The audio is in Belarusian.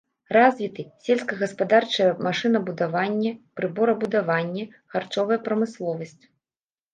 Развіты сельскагаспадарчае машынабудаванне, прыборабудаванне, харчовая прамысловасць.